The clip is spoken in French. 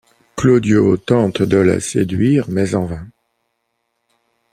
Claudio tente de la séduire mais en vain.